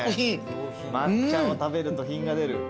抹茶を食べると品が出る。